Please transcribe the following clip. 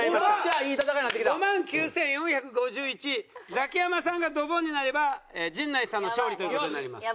ザキヤマさんがドボンになれば陣内さんの勝利という事になります。